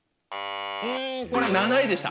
これは７位でした。